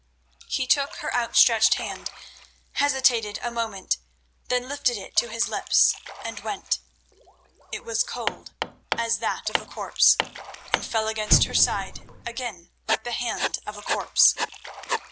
He took her outstretched hand, hesitated a moment, then lifted it to his lips, and went. It was cold as that of a corpse, and fell against her side again like the hand of a corpse.